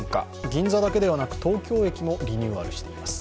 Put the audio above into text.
銀座だけではなく東京駅もリニューアルしています。